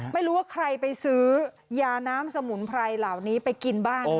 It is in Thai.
ไม่รู้ว่าใครไปซื้อยาน้ำสมุนไพรเหล่านี้ไปกินบ้าน